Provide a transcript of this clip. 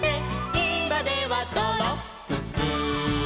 「いまではドロップス」